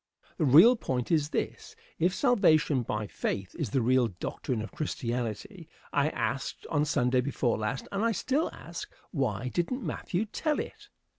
The real point is this: If salvation by faith is the real doctrine of Christianity, I asked on Sunday before last, and I still ask, why didn't Matthew tell it?